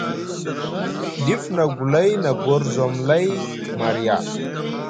Dif na gulay na gorzom lay marya.